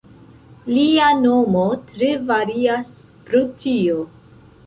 Lia nomo tre varias pro tio.